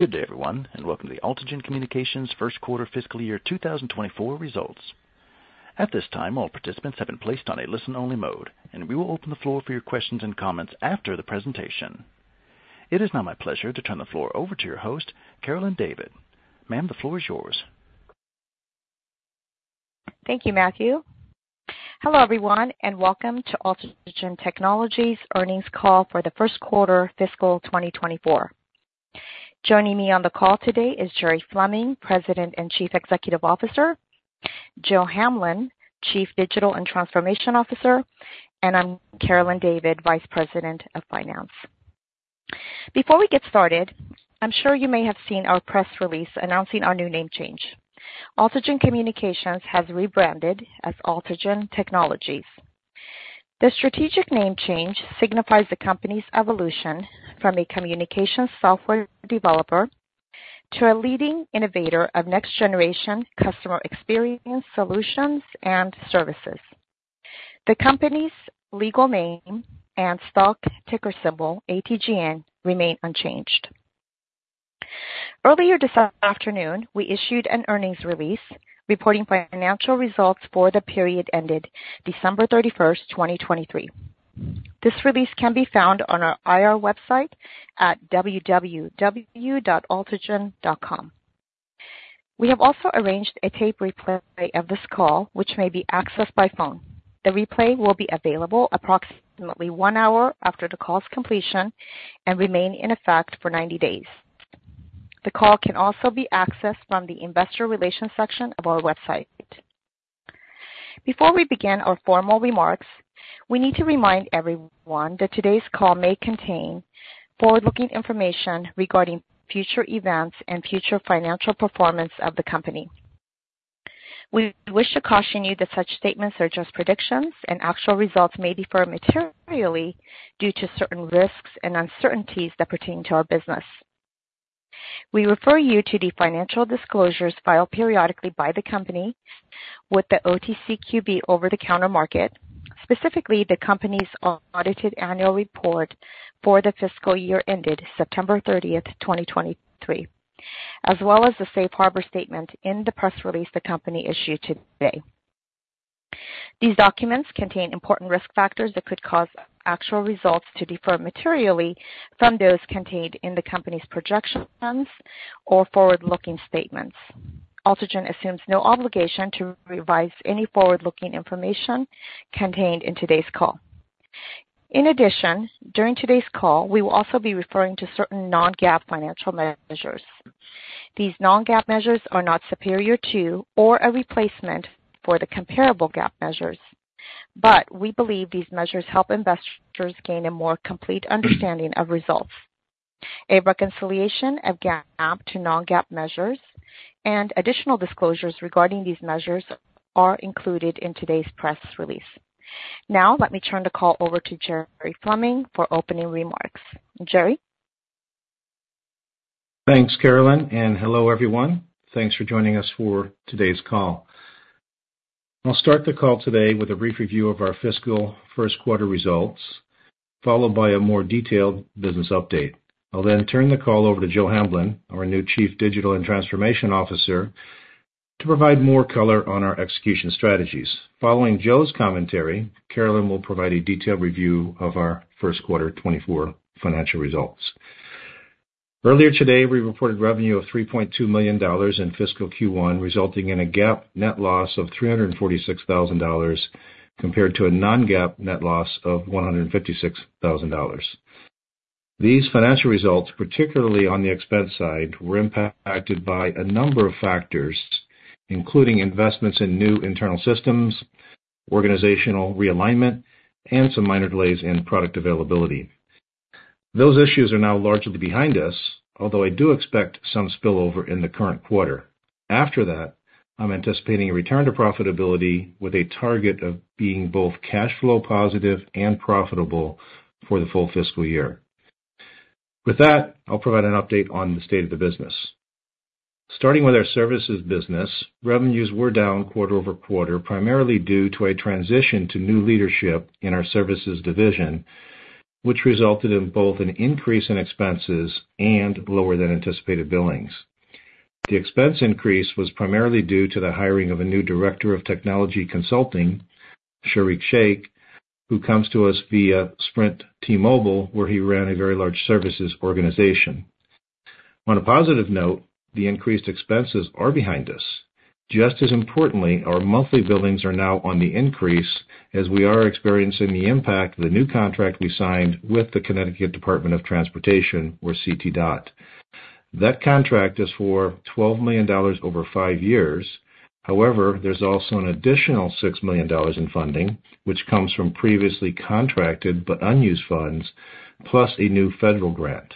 Good day, everyone, and welcome to the AltiGen Communications first quarter fiscal year 2024 results. At this time, all participants have been placed on a listen-only mode, and we will open the floor for your questions and comments after the presentation. It is now my pleasure to turn the floor over to your host, Carolyn David. Ma'am, the floor is yours. Thank you, Matthew. Hello, everyone, and welcome to AltiGen Technologies' earnings call for the first quarter fiscal 2024. Joining me on the call today is Jerry Fleming, President and Chief Executive Officer, Joe Hamblin, Chief Digital and Transformation Officer, and I'm Carolyn David, Vice President of Finance. Before we get started, I'm sure you may have seen our press release announcing our new name change. AltiGen Communications has rebranded as AltiGen Technologies. The strategic name change signifies the company's evolution from a communications software developer to a leading innovator of next-generation customer experience solutions and services. The company's legal name and stock ticker symbol, ATGN, remain unchanged. Earlier this afternoon, we issued an earnings release reporting financial results for the period ended December 31st, 2023. This release can be found on our IR website at www.altigen.com. We have also arranged a tape replay of this call, which may be accessed by phone. The replay will be available approximately one hour after the call's completion and remain in effect for 90 days. The call can also be accessed from the investor relations section of our website. Before we begin our formal remarks, we need to remind everyone that today's call may contain forward-looking information regarding future events and future financial performance of the company. We wish to caution you that such statements are just predictions, and actual results may differ materially due to certain risks and uncertainties that pertain to our business. We refer you to the financial disclosures filed periodically by the company with the OTCQB over-the-counter market, specifically the company's audited annual report for the fiscal year ended September 30th, 2023, as well as the safe harbor statement in the press release the company issued today. These documents contain important risk factors that could cause actual results to differ materially from those contained in the company's projections or forward-looking statements. AltiGen assumes no obligation to revise any forward-looking information contained in today's call. In addition, during today's call, we will also be referring to certain non-GAAP financial measures. These non-GAAP measures are not superior to or a replacement for the comparable GAAP measures, but we believe these measures help investors gain a more complete understanding of results. A reconciliation of GAAP to non-GAAP measures and additional disclosures regarding these measures are included in today's press release. Now, let me turn the call over to Jerry Fleming for opening remarks. Jerry? Thanks, Carolyn, and hello, everyone. Thanks for joining us for today's call. I'll start the call today with a brief review of our fiscal first quarter results, followed by a more detailed business update. I'll then turn the call over to Joe Hamblin, our new Chief Digital and Transformation Officer, to provide more color on our execution strategies. Following Joe's commentary, Carolyn will provide a detailed review of our first quarter 2024 financial results. Earlier today, we reported revenue of $3.2 million in fiscal Q1, resulting in a GAAP net loss of $346,000 compared to a non-GAAP net loss of $156,000. These financial results, particularly on the expense side, were impacted by a number of factors, including investments in new internal systems, organizational realignment, and some minor delays in product availability. Those issues are now largely behind us, although I do expect some spillover in the current quarter. After that, I'm anticipating a return to profitability with a target of being both cash flow positive and profitable for the full fiscal year. With that, I'll provide an update on the state of the business. Starting with our services business, revenues were down quarter-over-quarter, primarily due to a transition to new leadership in our services division, which resulted in both an increase in expenses and lower-than-anticipated billings. The expense increase was primarily due to the hiring of a new director of technology consulting, Shariq Shaikh, who comes to us via Sprint T-Mobile, where he ran a very large services organization. On a positive note, the increased expenses are behind us. Just as importantly, our monthly billings are now on the increase as we are experiencing the impact of the new contract we signed with the Connecticut Department of Transportation, or CTDOT. That contract is for $12 million over five years. However, there's also an additional $6 million in funding, which comes from previously contracted but unused funds, plus a new federal grant.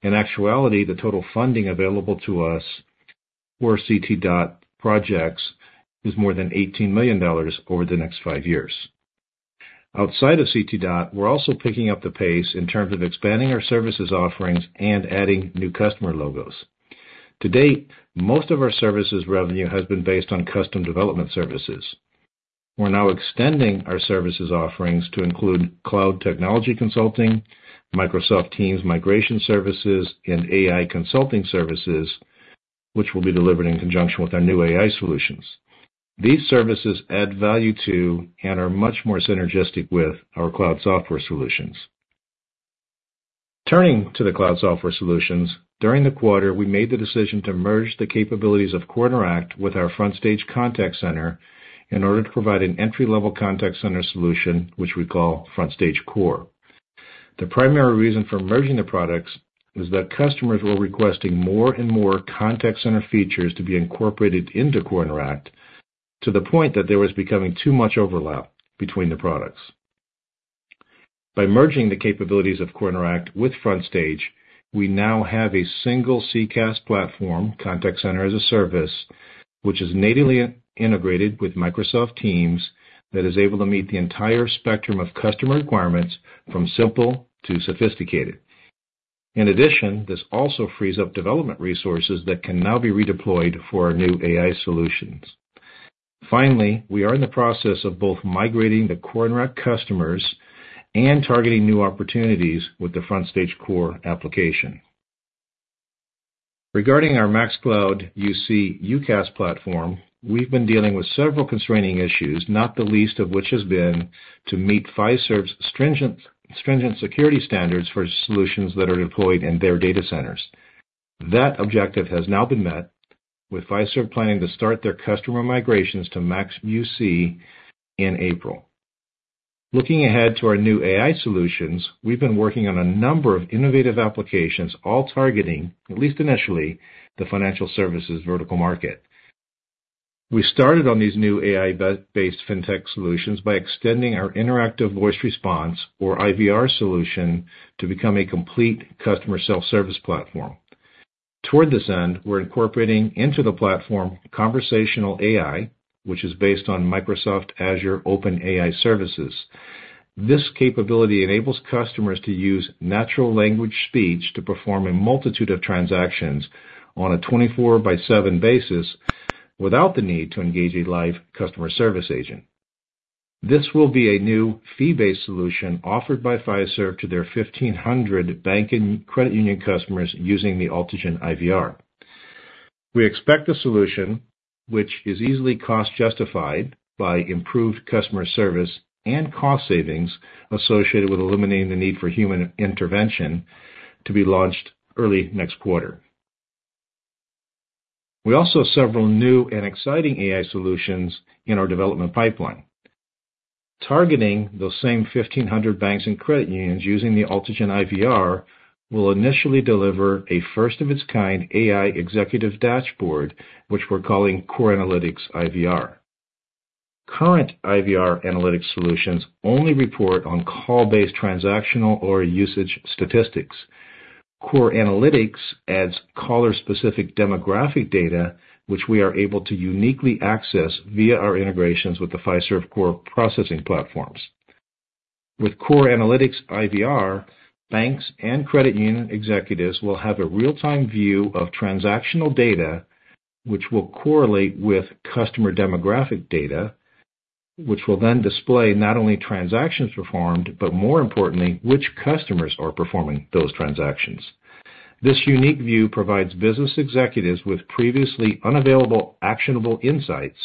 In actuality, the total funding available to us for CTDOT projects is more than $18 million over the next five years. Outside of CTDOT, we're also picking up the pace in terms of expanding our services offerings and adding new customer logos. To date, most of our services revenue has been based on custom development services. We're now extending our services offerings to include cloud technology consulting, Microsoft Teams migration services, and AI consulting services, which will be delivered in conjunction with our new AI solutions. These services add value to and are much more synergistic with our cloud software solutions. Turning to the cloud software solutions, during the quarter, we made the decision to merge the capabilities of CoreInteract with our FrontStage Contact Center in order to provide an entry-level contact center solution, which we call FrontStage Core. The primary reason for merging the products is that customers were requesting more and more contact center features to be incorporated into CoreInteract to the point that there was becoming too much overlap between the products. By merging the capabilities of CoreInteract with FrontStage, we now have a single CCaaS platform, Contact Center as a Service, which is natively integrated with Microsoft Teams that is able to meet the entire spectrum of customer requirements from simple to sophisticated. In addition, this also frees up development resources that can now be redeployed for our new AI solutions. Finally, we are in the process of both migrating the CoreInteract customers and targeting new opportunities with the FrontStage Core application. Regarding our MaxCloud UC UCaaS platform, we've been dealing with several constraining issues, not the least of which has been to meet Fiserv's stringent security standards for solutions that are deployed in their data centers. That objective has now been met, with Fiserv planning to start their customer migrations to MaxCloud UC in April. Looking ahead to our new AI solutions, we've been working on a number of innovative applications, all targeting, at least initially, the financial services vertical market. We started on these new AI-based fintech solutions by extending our interactive voice response, or IVR, solution to become a complete customer self-service platform. Toward this end, we're incorporating into the platform conversational AI, which is based on Microsoft Azure OpenAI services. This capability enables customers to use natural language speech to perform a multitude of transactions on a 24/7 basis without the need to engage a live customer service agent. This will be a new fee-based solution offered by Fiserv to their 1,500 bank and credit union customers using the AltiGen IVR. We expect the solution, which is easily cost-justified by improved customer service and cost savings associated with eliminating the need for human intervention, to be launched early next quarter. We also have several new and exciting AI solutions in our development pipeline. Targeting those same 1,500 banks and credit unions using the AltiGen IVR will initially deliver a first-of-its-kind AI executive dashboard, which we're calling Core Analytics IVR. Current IVR analytics solutions only report on call-based transactional or usage statistics. Core Analytics adds caller-specific demographic data, which we are able to uniquely access via our integrations with the Fiserv Core Processing Platforms. With Core Analytics IVR, banks and credit union executives will have a real-time view of transactional data, which will correlate with customer demographic data, which will then display not only transactions performed but, more importantly, which customers are performing those transactions. This unique view provides business executives with previously unavailable actionable insights,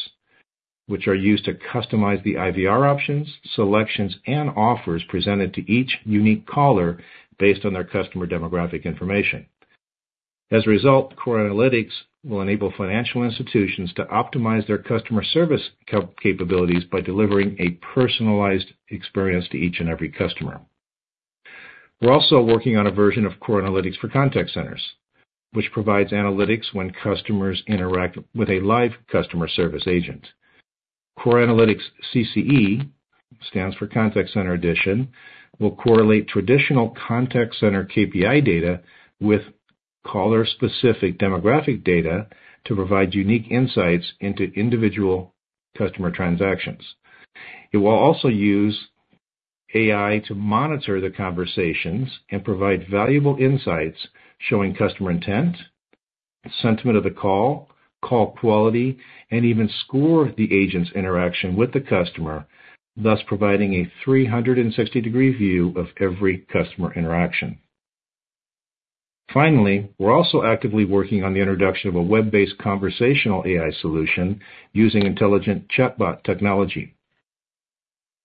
which are used to customize the IVR options, selections, and offers presented to each unique caller based on their customer demographic information. As a result, Core Analytics will enable financial institutions to optimize their customer service capabilities by delivering a personalized experience to each and every customer. We're also working on a version of Core Analytics for Contact Centers, which provides analytics when customers interact with a live customer service agent. CoreAnalytics CCE, stands for Contact Center Edition, will correlate traditional contact center KPI data with caller-specific demographic data to provide unique insights into individual customer transactions. It will also use AI to monitor the conversations and provide valuable insights showing customer intent, sentiment of the call, call quality, and even score the agent's interaction with the customer, thus providing a 360-degree view of every customer interaction. Finally, we're also actively working on the introduction of a web-based conversational AI solution using intelligent chatbot technology.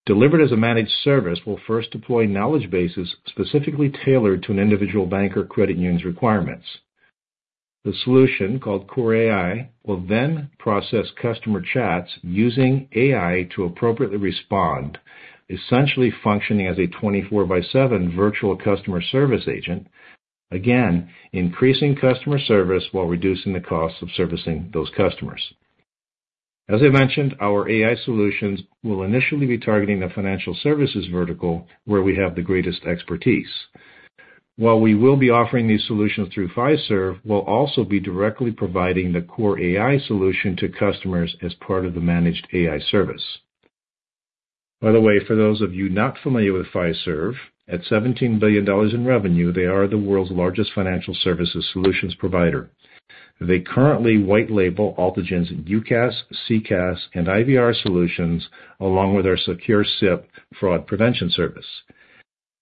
Delivered as a managed service, we'll first deploy knowledge bases specifically tailored to an individual bank or credit union's requirements. The solution, called CoreAI, will then process customer chats using AI to appropriately respond, essentially functioning as a 24/7 virtual customer service agent, again increasing customer service while reducing the costs of servicing those customers. As I mentioned, our AI solutions will initially be targeting the financial services vertical, where we have the greatest expertise. While we will be offering these solutions through Fiserv, we'll also be directly providing the CoreAI solution to customers as part of the managed AI service. By the way, for those of you not familiar with Fiserv, at $17 billion in revenue, they are the world's largest financial services solutions provider. They currently white-label AltiGen's UCaaS, CCaaS, and IVR solutions, along with our Secure SIP fraud prevention service.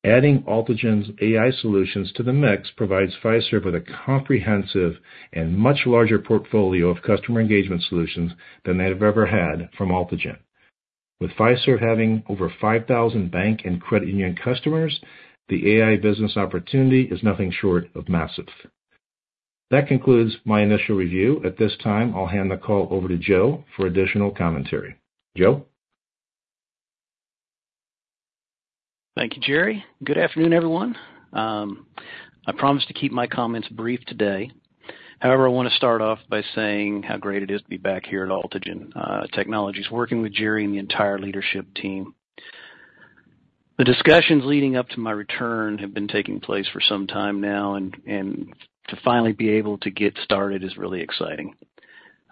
Adding AltiGen's AI solutions to the mix provides Fiserv with a comprehensive and much larger portfolio of customer engagement solutions than they have ever had from AltiGen. With Fiserv having over 5,000 bank and credit union customers, the AI business opportunity is nothing short of massive. That concludes my initial review. At this time, I'll hand the call over to Joe for additional commentary. Joe? Thank you, Jerry. Good afternoon, everyone. I promised to keep my comments brief today. However, I want to start off by saying how great it is to be back here at AltiGen Technologies, working with Jerry and the entire leadership team. The discussions leading up to my return have been taking place for some time now, and to finally be able to get started is really exciting.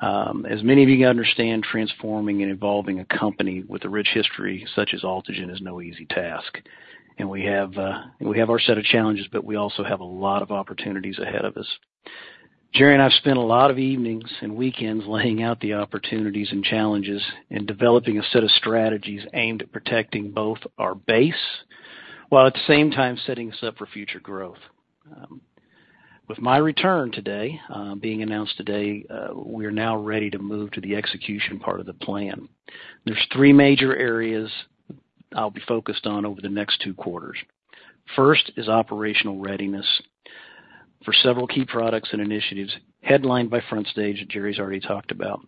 As many of you understand, transforming and evolving a company with a rich history such as AltiGen is no easy task. We have our set of challenges, but we also have a lot of opportunities ahead of us. Jerry and I've spent a lot of evenings and weekends laying out the opportunities and challenges and developing a set of strategies aimed at protecting both our base while, at the same time, setting us up for future growth. With my return today being announced today, we are now ready to move to the execution part of the plan. There's three major areas I'll be focused on over the next two quarters. First is operational readiness for several key products and initiatives headlined by FrontStage, that Jerry's already talked about.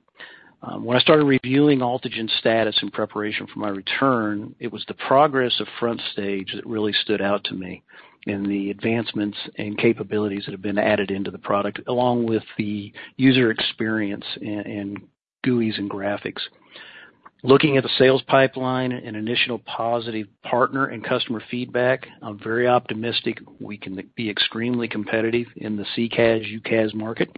When I started reviewing AltiGen status in preparation for my return, it was the progress of FrontStage that really stood out to me and the advancements and capabilities that have been added into the product, along with the user experience and GUIs and graphics. Looking at the sales pipeline and initial positive partner and customer feedback, I'm very optimistic we can be extremely competitive in the CCaaS/UCaaS market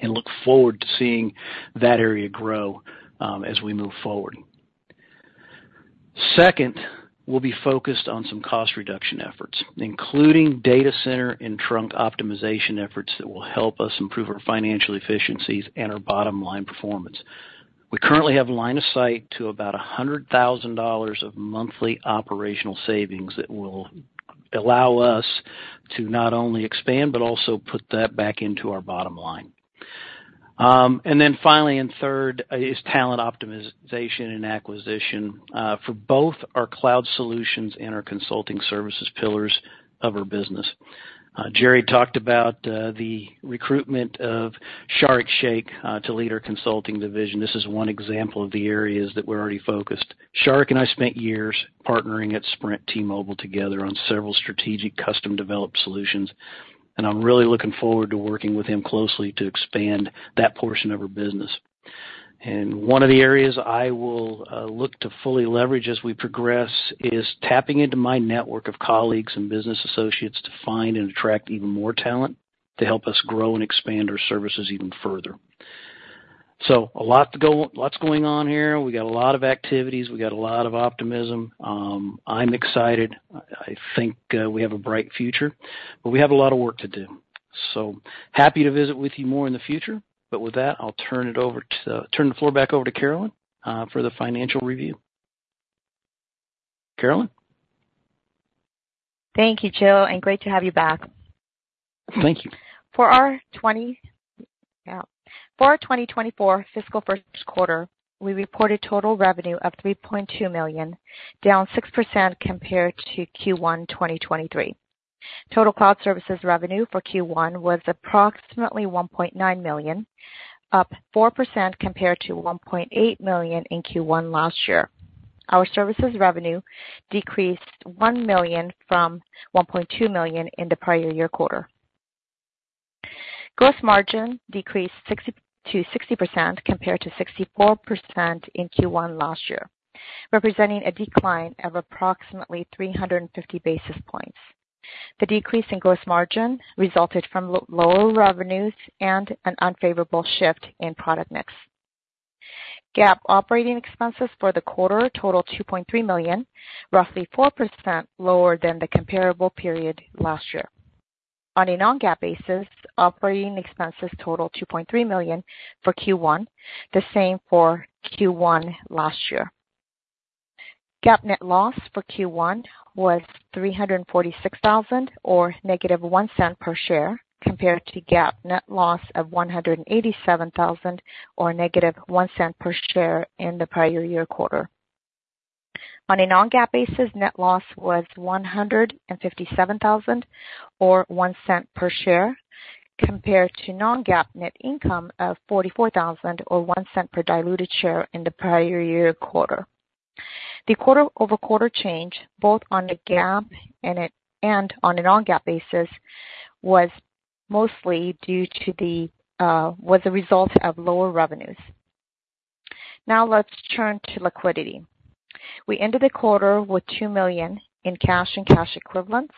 and look forward to seeing that area grow as we move forward. Second, we'll be focused on some cost reduction efforts, including data center and trunk optimization efforts that will help us improve our financial efficiencies and our bottom-line performance. We currently have line of sight to about $100,000 of monthly operational savings that will allow us to not only expand but also put that back into our bottom line. Then finally, and third, is talent optimization and acquisition for both our cloud solutions and our consulting services pillars of our business. Jerry talked about the recruitment of Shariq Shaikh to lead our consulting division. This is one example of the areas that we're already focused. Shariq and I spent years partnering at Sprint T-Mobile together on several strategic custom-developed solutions, and I'm really looking forward to working with him closely to expand that portion of our business. And one of the areas I will look to fully leverage as we progress is tapping into my network of colleagues and business associates to find and attract even more talent to help us grow and expand our services even further. So a lot to go, lots going on here. We got a lot of activities. We got a lot of optimism. I'm excited. I think we have a bright future, but we have a lot of work to do. So happy to visit with you more in the future. But with that, I'll turn it over to turn the floor back over to Carolyn for the financial review. Carolyn? Thank you, Joe, and great to have you back. Thank you. For our 2024 fiscal first quarter, we reported total revenue of $3.2 million, down 6% compared to Q1 2023. Total cloud services revenue for Q1 was approximately $1.9 million, up 4% compared to $1.8 million in Q1 last year. Our services revenue decreased $1 million from $1.2 million in the prior year quarter. Gross margin decreased to 60% compared to 64% in Q1 last year, representing a decline of approximately 350 basis points. The decrease in gross margin resulted from lower revenues and an unfavorable shift in product mix. GAAP operating expenses for the quarter totaled $2.3 million, roughly 4% lower than the comparable period last year. On a non-GAAP basis, operating expenses totaled $2.3 million for Q1, the same for Q1 last year. GAAP net loss for Q1 was $346,000 or -$0.01 per share compared to GAAP net loss of $187,000 or -$0.01 per share in the prior year quarter. On a non-GAAP basis, net loss was $157,000 or -$0.01 per share compared to non-GAAP net income of $44,000 or $0.01 per diluted share in the prior year quarter. The quarter-over-quarter change, both on a GAAP and on a non-GAAP basis, was mostly due to a result of lower revenues. Now let's turn to liquidity. We ended the quarter with $2 million in cash and cash equivalents.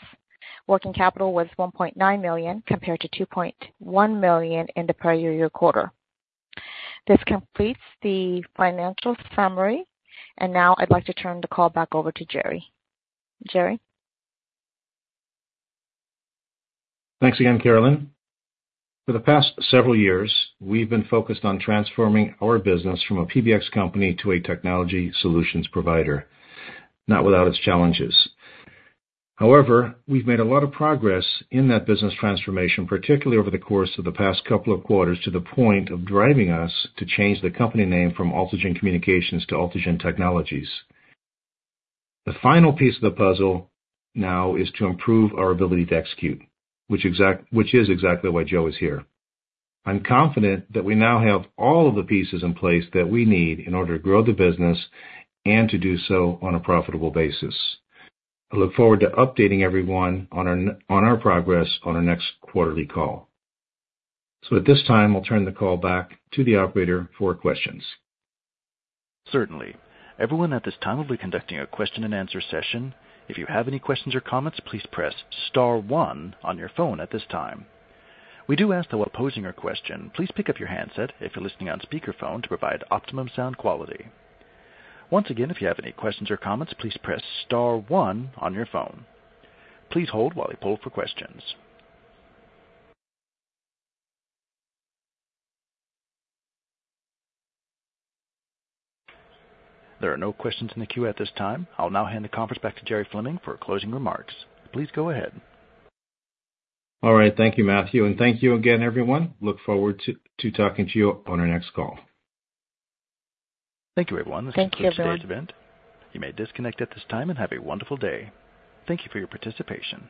Working capital was $1.9 million compared to $2.1 million in the prior year quarter. This completes the financial summary, and now I'd like to turn the call back over to Jerry. Jerry? Thanks again, Carolyn. For the past several years, we've been focused on transforming our business from a PBX company to a technology solutions provider, not without its challenges. However, we've made a lot of progress in that business transformation, particularly over the course of the past couple of quarters, to the point of driving us to change the company name from AltiGen Communications to AltiGen Technologies. The final piece of the puzzle now is to improve our ability to execute, which is exactly why Joe is here. I'm confident that we now have all of the pieces in place that we need in order to grow the business and to do so on a profitable basis. I look forward to updating everyone on our progress on our next quarterly call. So at this time, I'll turn the call back to the operator for questions. Certainly. Everyone at this time will be conducting a question-and-answer session. If you have any questions or comments, please press star one on your phone at this time. We do ask that while posing your question, please pick up your handset if you're listening on speakerphone to provide optimum sound quality. Once again, if you have any questions or comments, please press star one on your phone. Please hold while we pull for questions. There are no questions in the queue at this time. I'll now hand the conference back to Jerry Fleming for closing remarks. Please go ahead. All right. Thank you, Matthew. Thank you again, everyone. Look forward to talking to you on our next call. Thank you, everyone. This concludes today's event. Thank you, everyone. You may disconnect at this time and have a wonderful day. Thank you for your participation.